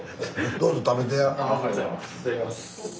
どうぞ食べてや。